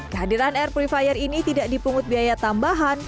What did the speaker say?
kehadiran air purifier ini tidak dipungut biaya tambahan